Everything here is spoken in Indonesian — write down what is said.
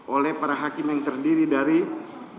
oleh para hakim yang terdiri dari jaksa penduduk umum